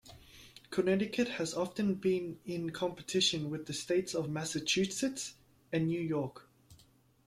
Connecticut has often been in competition with the states of Massachusetts and New York.